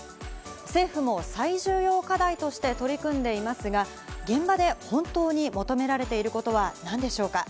政府も最重要課題として取り組んでいますが、現場で本当に求められていることはなんでしょうか。